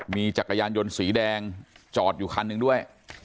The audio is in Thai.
มีจักรยานยนต์สีแดงจอดอยู่คันหนึ่งด้วย